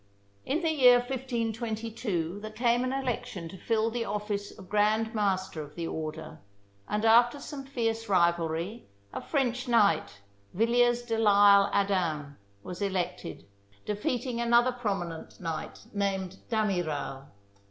In the year 1522 there came an election to fill the office of Grand Master of the order, and after some fierce rivalry a French knight, Villiers de l'lsle Adam, was elected, defeating another prominent knight named D'Amiral.